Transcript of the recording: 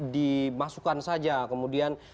dimasukkan saja kemudian